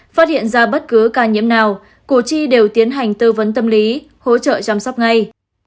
phát hiện ra bất cứ ca nhiễm nào cổ chi đều tiến hành tư vấn tâm lý hỗ trợ chăm sóc ngay